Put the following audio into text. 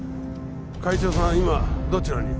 会長さんは今どちらに？